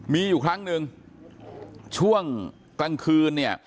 มีอยู่ครั้งหนึ่งช่วงกลางคืนเนี่ย